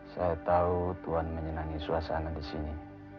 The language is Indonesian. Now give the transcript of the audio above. saya tahu tuhan menyenangi suasana di sini